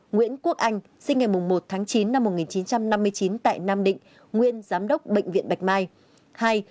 một nguyễn quốc anh sinh ngày một tháng chín năm một nghìn chín trăm năm mươi chín tại nam định nguyên giám đốc bệnh viện bạch mai